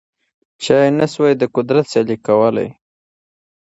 چا یې نه سوای د قدرت سیالي کولای